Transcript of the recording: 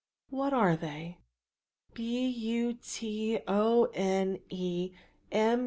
"What are they?" "b. u. t. o. n. e. m.